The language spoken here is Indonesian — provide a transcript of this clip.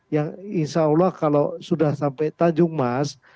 yang insya allah kalau sudah sampai tanjung mas